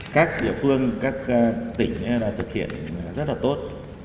các địa phương các tỉnh thực hiện rất là tốt